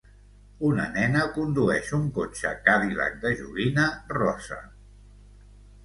Una nena condueix un cotxe Cadillac de joguina rosa.